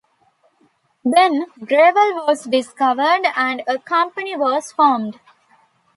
Then, gravel was discovered and a company was formed.